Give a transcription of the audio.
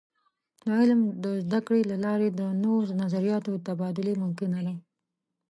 د علم د زده کړې له لارې د نوو نظریاتو د تبادلې ممکنه ده.